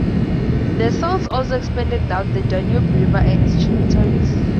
The Celts also expanded down the Danube river and its tributaries.